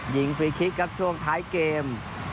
ฟรีคลิกครับช่วงท้ายเกม